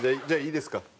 じゃあいいですか？